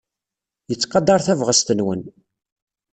Yettqadar tabɣest-nwen.